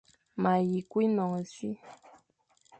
Ma yi kù énon e si.